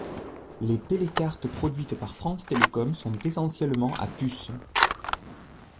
Les télécartes produites par France Télécom sont essentiellement à puce.